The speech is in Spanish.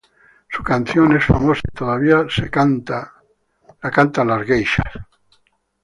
Su canción es famosa y todavía es cantada por las geishas.